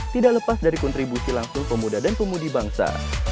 tidak lepas dari kontribusi langsung pemuda dan pemudi bangsa